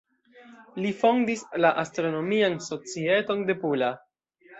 Li fondis la Astronomian Societon de Pula.